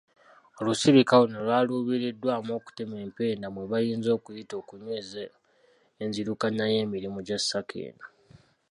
Olusirika luno lwaluubiriddwamu okutema empenda mwe bayinza okuyita okunyweza enzirukanya y'emirimu gya sacco eno.